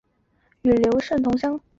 与刘胜同乡。